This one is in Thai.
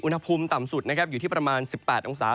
อุณหภูมิต่ำสุดนะครับอยู่ที่ประมาณ๑๘องศา